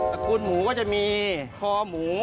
ระกูลหมูก็จะมีคอหมู